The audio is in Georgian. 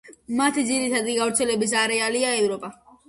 მათი ძირითადი გავრცელების არეალია ევროპა.